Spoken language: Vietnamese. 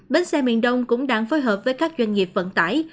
bến xe miền đông cũng đang phối hợp với các doanh nghiệp vận tải